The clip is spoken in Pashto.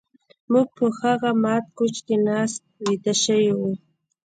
موږ په هغه مات کوچ کې ناست ویده شوي وو